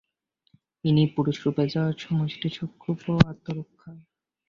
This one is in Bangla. ইনিই পুরুষরূপে বা সমষ্টি সূক্ষ্ম আত্মারূপে আবির্ভূত হন।